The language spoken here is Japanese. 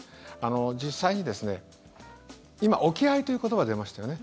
実際に今、置き配という言葉出ましたよね。